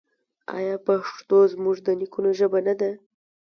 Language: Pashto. آیا پښتو زموږ د نیکونو ژبه نه ده؟